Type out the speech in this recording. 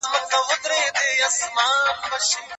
چېري د کورنیو شخړو حل کیږي؟